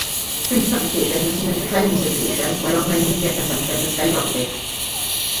Print publications have seen a decline in circulation, while online media consumption has skyrocketed.